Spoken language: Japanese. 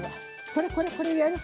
これこれこれでやる？